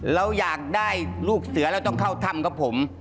เราอยากได้ลูกเสือเราต้องเข้าถ้ำกับผม